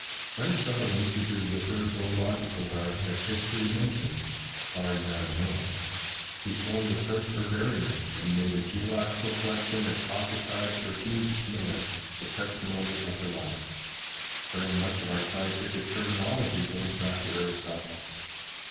Aristotle instituted the first zoological garden that history mentions, barring that of Noah. He formed the first herbarium, and made a geological collection that prophesied for Hugh Miller the testimony of the rocks. Very much of our scientific terminology goes back to Aristotle.